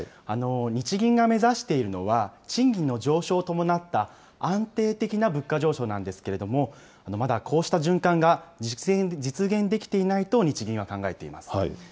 日銀が目指しているのは、賃金の上昇を伴った安定的な物価上昇なんですけれども、まだこうした循環が実現できていないと、日銀は考えています。